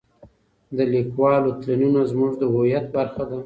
د لیکوالو تلینونه زموږ د هویت برخه ده.